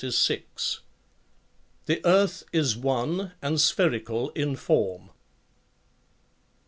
The earth is one and spherical inform.